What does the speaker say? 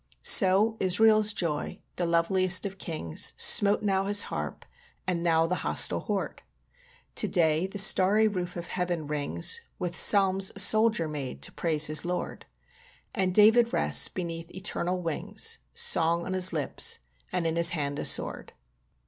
So Israel's joy, the loveliest of kings, Smote now his harp, and now the hostile horde. To day the starry roof of Heaven rings With psalms a soldier made to praise his Lord; And David rests beneath Eternal wings, Song on his lips, and in his hand a sword.